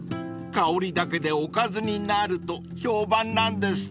［香りだけでおかずになると評判なんですって］